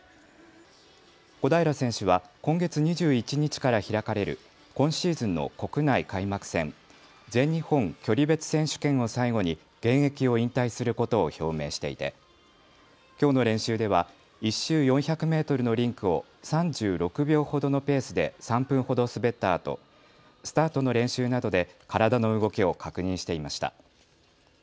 小平選手は今月２１日から開かれる今シーズンの国内開幕戦、全日本距離別選手権を最後に現役を引退することを表明していてきょうの練習では１周４００メートルのリンクを３６秒ほどのペースで３分ほど滑ったあとスタートの練習などで体の動きを確認していました。